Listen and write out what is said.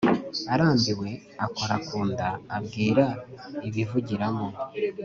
arambiwe akora ku nda abwira ibivugiramo